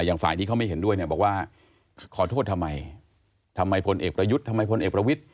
อย่างฝ่ายที่เขาไม่เห็นด้วยเนี่ยบอกว่าขอโทษทำไมทำไมพลเอกประยุทธ์ทำไมพลเอกประวิทธิ